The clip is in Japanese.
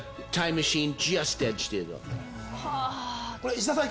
石田さん